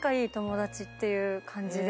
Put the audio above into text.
ていう感じで。